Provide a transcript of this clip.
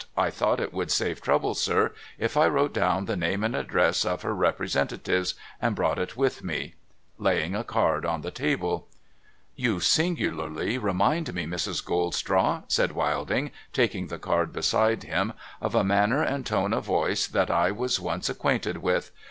I thought it would save trouble, sir, if I wrote down the name and address of her representatives, and brought it with me.' Laying a card on the table. ' You singularly remind me, Mrs. Goldstraw,' said Wilding, taking the card beside him, ' of a manner and tone of voice that I was once acquainted with.